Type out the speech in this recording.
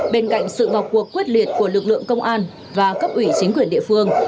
bên cạnh sự vào cuộc quyết liệt của lực lượng công an và cấp ủy chính quyền địa phương